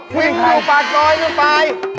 มิ้งดูปากรอยดูไป